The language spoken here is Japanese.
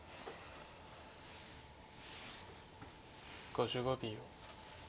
５５秒。